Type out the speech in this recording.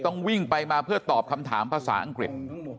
ต้องวิ่งไปมาเพื่อตอบคำถามภาษาอังกฤษ